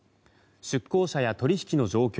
出向者や取引の状況